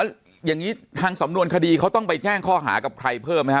แล้วอย่างนี้ทางสำนวนคดีเขาต้องไปแจ้งข้อหากับใครเพิ่มไหมฮ